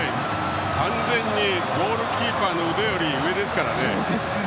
完全にゴールキーパーの腕より上ですからね。